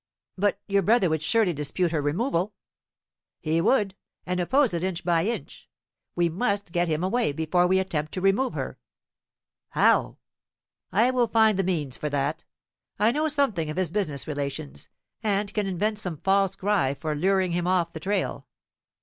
"But your brother would surely dispute her removal." "He would, and oppose it inch by inch. We must get him away, before we attempt to remove her." "How?" "I will find the means for that. I know something of his business relations, and can invent some false cry for luring him off the trail.